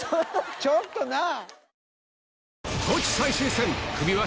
ちょっとなぁ。